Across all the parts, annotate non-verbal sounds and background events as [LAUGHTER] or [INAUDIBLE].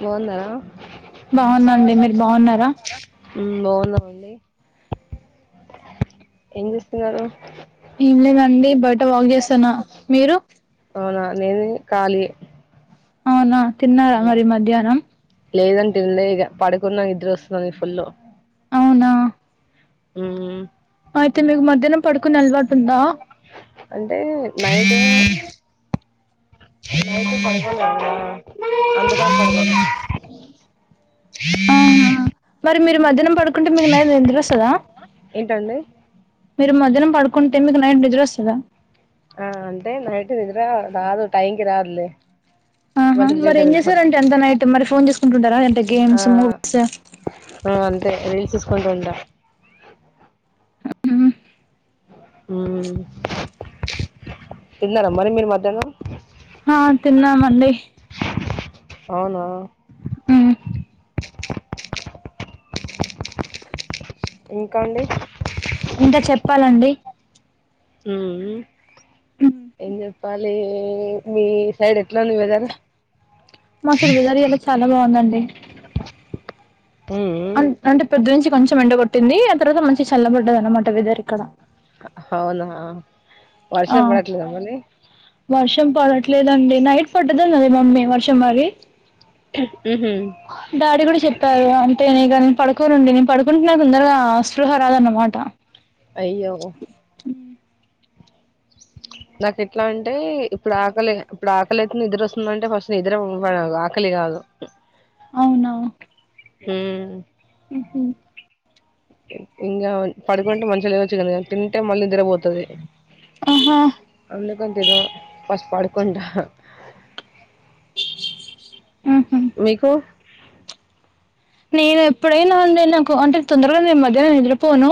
బాగుందా బాగున్న అండి మీరు బాగున్నారా ఊ బాగున్నామండి ఏం చేస్తున్నారు ఏం లేదండి బయట వాక్ చేస్తనా మీరు అవునా నేను ఖాళీయే అవునా తిన్నారా మరి మధ్యాహ్నం లేదండి తినలే ఇక పడుకున్నా నిద్దరస్తుంది ఫుల్లు అవునా ఊ అయితే మీకు మధ్యాహ్నం పడుకునే అలవాటు ఉందా అంటే నైటు నైటు పడుకోలేదు గా అందుకని పడుకున్నా ఆహా మరి మీరు మధ్యాహ్నం పడుకుంటే మీకు నైట్ నిద్ర ఒస్తదా ఏంటండి మీరు మధ్యాహ్నం పడుకుంటే మీకు నైట్ నిద్రోస్తదా ఆ అంటే నైట్ నిద్ర రాదు టైంకి రాద్లే ఆహా మరి ఏం చేశారండి అంత నైటు మరి ఫోన్ చూసుకుంటుంటారా అంటే ఆ గేమ్స్ మూవీస్ ఆ అంతే రీల్స్ చూసుకుంటూ ఉంటా తిన్నారా మరి మీరు మధ్యాహ్నం ఆ తిన్నామండి అవునా హ్మ్ ఇంకా అండి ఇంకా చెప్పాలండి హ్మ్ ఏం చెప్పాలి మీ సైడ్ ఎట్లుంది వెదర్ మా సైడ్ వెదర్ ఇయ్యాలా చాలా బాగుందండి ఉమ్ అంటే పోదునుంచి కొంచెం ఎండ కొట్టింది ఆ తర్వాత మంచి చల్లబడ్డది అనమాట వెదర్ ఇక్కడ అవునా ఆ వర్షం పడట్లేదా మళ్ళీ వర్షం పడట్లేదండి నైట్ పడ్డధనది మమ్మీ వర్షం మరి మ్మ్ హు డాడీ కూడా చెప్పారు అంటే నేనిక నేను పడుకోనుండి నేను పడుకుంటే నాకు తొందరగా అసృహరాదన్నమాట అయ్యో నాకు ఎట్లా అంటే ఇప్పుడు ఆకలి ఇప్పుడు అకలైతుంది నిద్ర వస్తుందంటే ఫస్ట్ నిద్రపోవాలి ఆక్కలి కాదు అవునా హ్మ్ మ్మ్ హూ ఇంకా పడుకుంటే మంచాగా లేవచ్చు కానీ తింటే మళ్ళీ నిద్రపోతది ఆహా అందుకని నేను ఫస్ట్ పడుకుంటా ఊహు మీకు నేను ఎప్పుడైనా అంతే నాకు అంటే తొందరగా నేను మధ్యాహ్నం నిద్ర పోను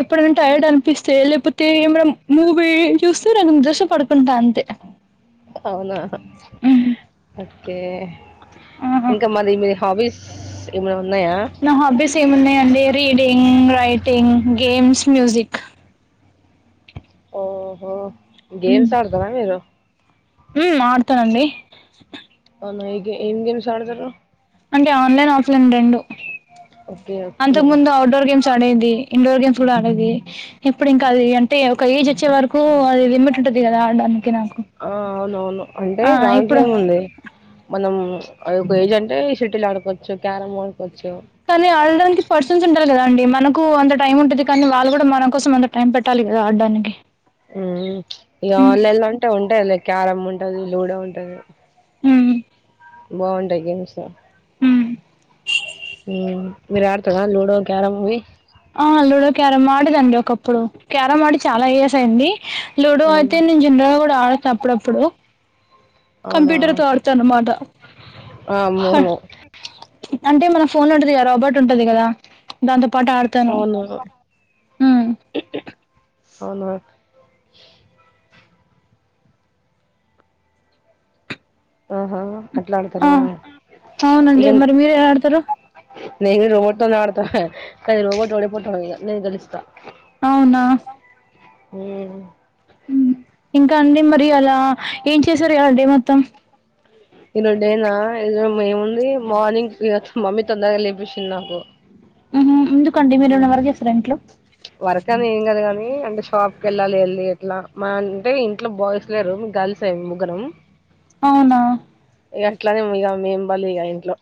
ఎప్పుడైనా టైర్డ్ అనిపిస్తే లేపో తే ఏమన్నా మూవీ చూస్తూ నాకు నిద్రోస్తే పడుకుంటా అంతే అవునా ఊహు ఓకే ఆహా ఇంకా మరీ మీ హాబీస్ ఏమన్నా ఉన్నాయా నా హాబీస్ ఏమున్నాయండి రీడింగ్ రైటింగ్ గేమ్స్ మ్యూజిక్ ఓహో గేమ్స్ ఆడతరా మీరు హ్మ్ ఆడతా అండి అవునా ఏం గేమ్స్ ఆడతరు అంటే ఆన్లైన్ ఆఫ్లైన్ రెండు ఓకే ఓకే అంతకు ముందు ఔట్డోర్ గేమ్స్ ఆడేది ఇండోర్ గేమ్స్ కూడా ఆడేది ఇప్పుడు ఇంకా అది అంటే ఒక ఏజ్ వచ్చే వరకు అది లిమిట్ ఉంటది కదా ఆడడానికి నాకు ఆ అవునవును అంటే ఆ దాంట్లో ఇప్పుడు ఏముంది మనం అది ఒక ఏజ్ అంటే షటిల్ ఆడుకోవచ్చు క్యారమ్ ఆడుకోవచ్చు కానీ ఆడడానికి పర్సన్స్ ఉండాలి కదా అండి మనకు అంత టైం ఉంటది కానీ వాళ్ళు కూడా మన కోసం అంత టైం పెట్టాలి కదా ఆడ్డానికి ఉం ఇగ ఆన్లైలో అంటే ఉంటయిలీ క్యారంమ్ ఉంటది లూడో ఉంటది ఉం బాగుంటాయి గెమ్స్ ఉం మీరు ఆడ్తరా లూడో క్యారమ్ ఇవి ఆ లూడో క్యారమ్ ఆడేదండి ఒకప్పుడు క్యారమ్ ఆడి చాలా ఇయర్స్ అయింది లూడో అయితే అవునా నేను జనరల్గా కూడా ఆడత అప్పుడప్పుడు అవునా కంప్యూటర్తో ఆడ్తాను అనమాట ఆ అవును అంటే మన ఫోన్ ఉంటది కద రోబర్ట్ ఉంటది కదా దాంతో పాటు ఆడు అవును అవును ఆహా అట్లా ఆ ఆడతారా అవునండి ఇగ మరి మీరు ఎలా ఆడతరు నేను కూడ రోబోట్తోనే ఆడతాను కానీ రోబోట్ ఓడిపోతాది నేను గలుస్తా అవునా ఊమ్ ఇంకా అండి మరి అలా ఏం చేసారు అలా డే మొత్తం ఈ రోజు డేనా ఏముంది మార్నింగ్ఇగ మమ్మీ తొందరగ లేపేశింది నాకు ఉహు ఎందుకండి మీరు ఏమైనా వర్క్ చేస్తారా ఇంట్లో వర్క్ అని ఏం కాదు కనీ అంటే షాప్ కెళ్ళాళ్ళి ఎట్లా మా అంటే ఇంట్లో బాయ్స్ లేరు గర్ల్స్ ఏ ముగ్గురం అవునా ఇగ అట్లనే ఇగ మేం బలి ఇగ ఇంట్లో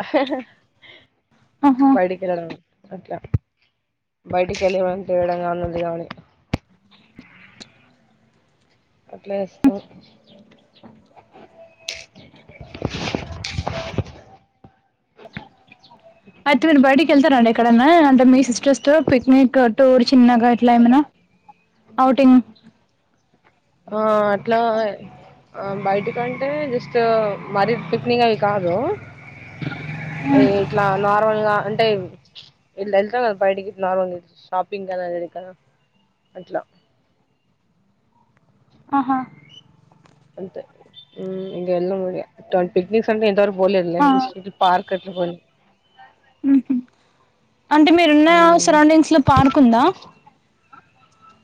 ఆహా బయటి కెళ్ళడం అట్లా బయటికి ఎళ్ళి ఏమన్న తేవడం గాని ఉంది కానీ అట్లే ఇస్తాం ఐతె మీరు బయటకి ఎళ్తరా అండి ఇక్కడనా అంటే మీ సిస్టర్స్తో పిక్నిక్ టూర్ చిన్నగా ఎట్ల ఏమన్న ఔటింగ్ ఆ అట్లా ఆ బయిటికంటే జస్ట్ మరి పిక్నిక్ అవి కాదు అ ఇట్లా నార్మల్గా అంటే ఇట్ల ఎళ్త కదా బైటికి నార్మల్గ షాపిింగ్కి అలా వెళ్తగా అట్ల ఆహా అంతే ఉం ఇంగ ఎల్లమండి పిక్నిక్స్ అంటే ఇంతవరకు పోలేద్లే ఆ ఇస్ ఇ పార్క్ కట్టుకొని ఉంహుం అంటే మీరున్న సరౌండింగ్స్లో పార్క్ ఉందా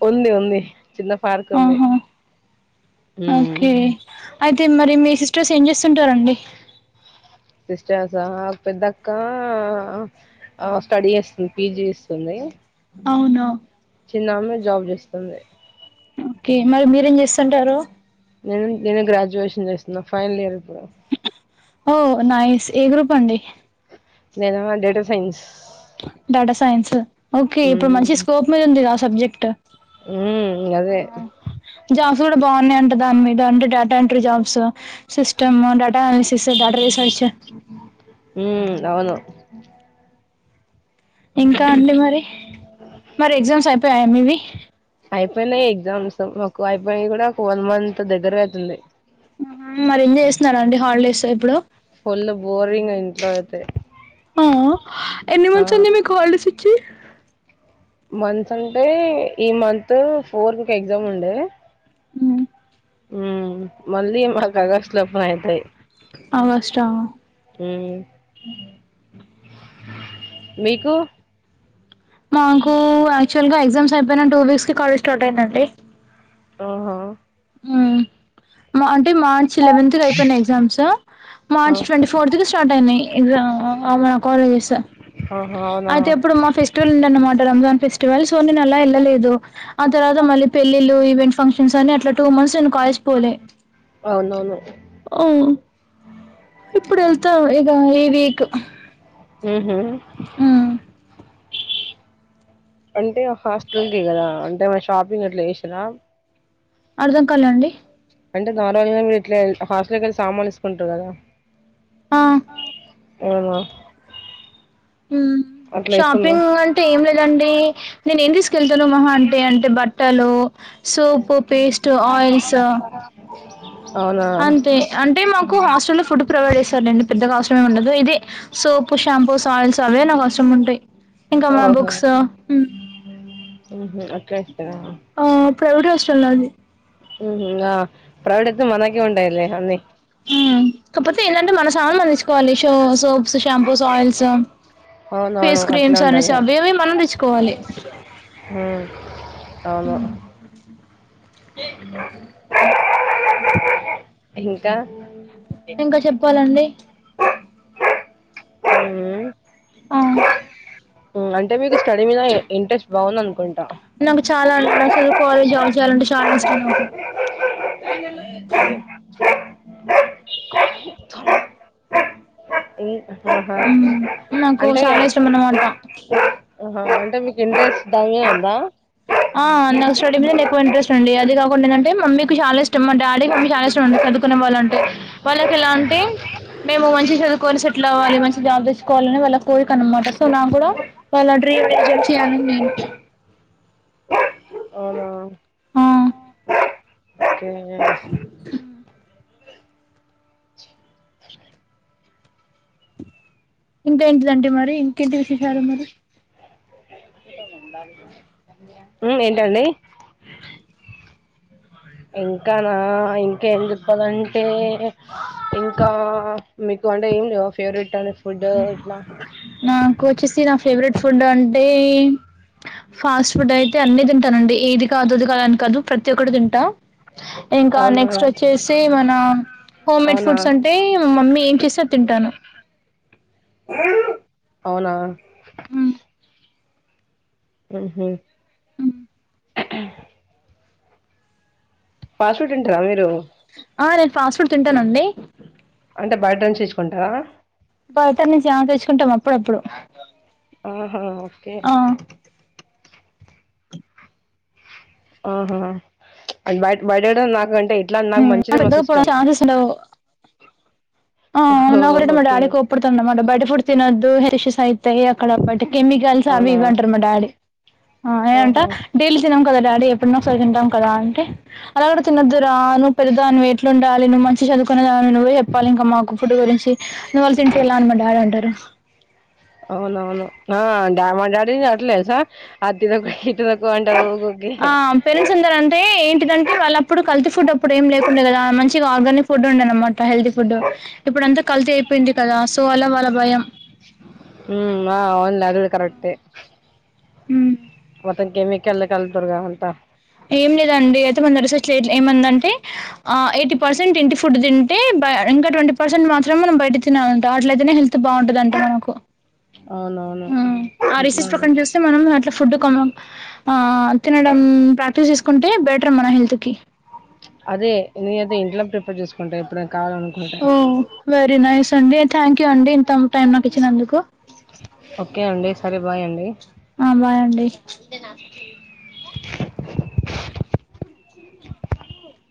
ఉంది ఉంది చిన్న పార్క్ ఉంది ఆహా ఉం ఓకే అయితే మరి మీ సిస్టర్స్ ఏం చేస్తుంటరండి సిస్టర్స్ ఆ పెద్దక్క ఆ స్టడీ చేస్తుంది పీజీ చేస్తుంది అవునా చిన్నామే జాబ్ చేస్తుంది ఒకే మరి మీరేం చేస్తుంటారు నేను నేను గ్రాడ్యుయేషన్ చేస్తున్నా ఫైనల్ ఇయర్ ఇప్పుడు ఓ నైస్ ఏ గ్రూప్ అండి నేను data science data science okay ఇప్పుడు మ్మ్ మంచి స్కోప్ మీద ఉంది ఆ సబ్జెక్ట్ మ్మ్ గదే జాబ్స్ కూడా బావున్నాయంట దాని మీద అంటే data entry jobs system data analysis డాటారీ search మ్మ్ అవును ఇంకా అండి మరి మరి ఎగ్జామ్స్ అయిపోయయా మీవి అయిపోయినాయి ఎగ్జామ్స్ మకు అయిపోయి కూడా ఫోర్ మంత్ దగ్గరవుతుంది మ్ మరిేం చేసినారండి హాలిడేసో ఇప్పుడు పుల్ బోరింగ్ ఇంట్లో అయితే ఆ ఎన్ని ఆ మంత్స్ అయింది మీకు హాలీడేస్ ఇచ్చి మంత్స్ అంటే ఈ మంత్ ఫోర్ కే ఎగ్జామ్ ఉండే మ్ ఉ మళ్ళీ మా కాగాస్లోప అయితాయి ఆగస్టా మ్మ్ మీకు మాకు యాక్చువల్గా ఎగ్జామ్స్ అయిపోయినా టూ వీక్స్ కాలజ్ స్టార్ట్ అయిందండి మ్ హు ఆ అంటే మార్చ్ లెవెంత్ దే అయిపోయినాయి ఎగ్జామ్స్ ఆ మార్చి ట్వంటీ ఫోర్త్ కి స్టార్ట్ అయినాయి ఎగ్జామ్ మ మో కాలేజెస్ ఆహా అవునా అయితే ఇప్పుడు మా ఫెస్టివల్ ఉందన్నమాట రంజాన్ ఫెస్టివల్ సో నేను అలా ఎళ్ళలేదు ఆ తర్వాత మళ్ళీ పెళ్ళిలు ఈవెంట్ ఫంక్షన్స్ అని అట్లా టూ మంత్స్ నేన్ కాాలజ్కి పోలే ఒకే అవునవును ఓ ఇప్పుడు ఎళ్తావ్ ఇక ఈ వీక్ మ్ హు ఆ అంటే హాస్టల్ కి కదా అంటే వ షాపింగ్ అట్లా చేసేరా అర్థం కాలండి అంటే దానాయ్ ఇట్లే హాస్టల్ కేళ్ళి సామాన్ ఇసుకుంటురు కదా ఆ ఏ మా మ్ షాపిన్గ్ అం టే ఏం లేదండి నేను ఏం తీసుకెళ్తుాన్నా మహా అంటే అంటే బట్టలు సోపు పేస్ట్ ఆయిల్స్ అవునా అంతే అంటే మాకు హాస్టల్లో ఫుడ్ ప్రొవైడ్ చేసార్ లెండి పెద్దగా అవసరమే ఉండదు ఇది సోపు షాంపూ సాయిల్స్ అవే నావసరం ఉంటాయి ఇంకా మా బుక్స్ మ్ మ్ హు అట్లే ఇస్తారా ఆ ప్రైవేట్ హాస్టల్ లో అది మ్ హు ఆ ప్రైవేటయితే మనకే ఉంటయిలేే అన్ని మ్ కాపోతే ఏదంటే మన సామ తెచ్చు కోవాలి షో సోప్స్ షాంపూస్ ఆయిల్స్ అవునవును ఫేస్ అట్లా క్రీమ్స్ అనేసి ఉంటది అవి ఏవి మనం తెచ్చుకోవాలి ఆ అవును ఈ ఇంకా ఇంక చెప్పాలండి ఆ! మ్ అంటే మీకు స్టడీ మీద ఇంట్రెస్ట్ బావుందనుకుంట నాకు చాలా అంటడు [UNINTELLIGIBLE] అసలు కాలేజ్ జాన్ చేయాలంటే చాలా ఇష్టం నాకు ఈ ఆహ హా నాకు అంటే చాలా ఇష్టం అన్నమాట ఆహా అంటే మీకు ఇంట్రెస్ట్ దానిమీద ఉందా ఆ నాకు స్టడీ మీద ఎక్కువ ఇంట్రెస్ట్ ఉండి అది కాకుండా ఏంటంటే మమ్మీ చాలా ఇష్టం మా డాడీ మమ్మీ చాలా ఇష్టముండే చదు కునే వాళ్లంటే వాళ్ళకి ఎలా అంటే మేము మంచిగా చదువుకోని సెటిల్ అవ్వాలి మంచి జాబ్ తెచ్చుకోవాలని వాళ్ళ కోరిక అన్నమాట సో నాక్కూడా వాళ్ళ డ్రీమ్ నెరవేర్చేయాలని నేను అవునా ఆ ఓకే ఉమ్ ఇంకా ఏంటి అంటే మరి ఇంకేంటి విశేషాలు మరి ఉమ్మ్ ఏంటండి ఇంకా నా ఇంకేం చెప్పాలంటే ఇంకా మీకు అంటే ఏం లేవా ఫేవరెట్ అని ఫుడ్ ఇట్లా నాకు వచ్చేసి నా ఫేవరెట్ ఫుడ్ అంటే ఫాస్ట్ ఫుడ్ అయితే అన్ని తింటానండి ఏది కాదు అది కాదని కాదు ప్రతి ఒక్కటి తింటా ఇంకా అవునా నెక్స్ట్ వచ్చేసి మన హోమ్ మేడ్ అవునా ఫుడ్స్ ఉంటే మా మమ్మీ ఏం చేస్తే అది తింటాను అ అవునా మ్మ్ఉమ్మ్ ఫాస్ట్ఫుడ్ ఉంటరా మీరు నేను ఫాస్ట్ ఫుడ్ తింటాను అండి అంటే బయటనుండి తెచూకుంటావ బయట నుంచి ఆ తెచ్చుకుంటాం అప్పుడప్పుడు ఆహా ఓకే ఆ ఆహా అట్ బయట్ బయట ఐటమ్ నాకంటే ఇట్లా నాకు ఉమ్ మంచిగా మస్ పెద్దగా ఇష్టం పోవడానికి ఛాన్సెస్ ఉండవు ఆ ఓహో అవునా ఒకరెటే మా ఓకే డాడి కోప్పడుతుండే మాట బయట ఫుడ్స్ తినొద్దు హెల్త్ ఇష్యూస్ అయితాయి అక్కడ బటి కెమికల్స్ అవి అవునా ఇవ్వి అంటారు మా డాడీ ఆ నేనంట ఆహా డైలీ తినం కదా డాడీ ఎప్పుడన్నా ఒకసారి తింటాం కదా అంటే అలా కూడా తినద్దురా నువ్వు పెద్ద దానివి ఎట్లుండాలి నువ్వు మంచి చదుకునే దానివి నువ్వే చెప్పాలి ఇం క మాకు ఫుడ్ గురించి నువ్వలా తింటే ఎలా అని మా డాడీ అంటారు అవునవును ఆ డా మా డాడీ కూన అట్లే తెలుసా అది తినకు ఇది తిన కు అంటారు ఊకూకే అంటే ఏంటిదంటే వాళ్ళప్పుడు కల్తీ ఫుడ్ అప్పుడు ఏం లేకుండే కదా మంచిగా ఆర్గానిక్ ఫుడ్ ఉండే అనమాట హెల్తీ ఫుడ్ ఇప్పుడంతా కల్తీ అయిపోయింది కదా సో అలా వాళ్ళ భయం ఉమ్మ్ ఆ అవునులే అది కూడా కరెక్టే ఉమ్మ్ మొత్తం కెమికలే కలుపుతుర్రుగా అంతా ఏం లేదండి అయితే మొన్న రీసెర్చ్ ఎట్లా ఏమందంటే ఆ ఎయిటీ పర్సెంట్ ఇంటి ఫుడ్ తింటే బ ఇంక ట్వంటీ పర్సెంట్ మాత్రం మనం బయట తినాలంట అట్లయితేనే హె ల్త్ బాగుంటాదంట మనకు అవునవును అట్లాంటిదే తే మనం అట్లా ఫుడ్ కొంచం ఆ తినడం ప్రాక్టీస్ చేసుకుంటే బెటర్ మన హెల్త్‌కి అదే నేనయితే ఇంట్లో ప్రిపేర్ చేసుకుంటా ఎప్పుడన్. ఓ వెరీ నైస్ అండి థ్యాంక్ యూ అండి ఇంత టైమ్ నాకు ఇచ్చినందుకు. ఓకే అండి సరే బాయ్ అండి. ఆ బాయ్ అండి. [INAUDIBLE] [INAUDIBLE]